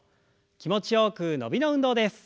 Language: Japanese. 気持ちよく伸びの運動です。